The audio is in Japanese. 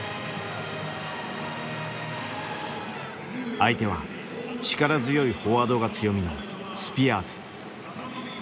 相手は力強いフォワードが強みのスピアーズ。